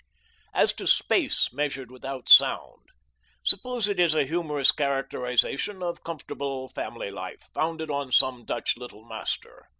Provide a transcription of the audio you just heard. As to space measured without sound. Suppose it is a humorous characterization of comfortable family life, founded on some Dutch Little Master.